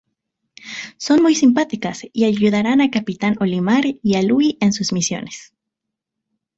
Son muy simpáticas, y ayudarán a Capitán Olimar y a Louie en sus misiones.